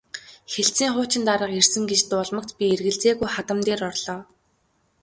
Хэлтсийн хуучин дарга ирсэн гэж дуулмагц би эргэлзэлгүй хадам дээр орлоо.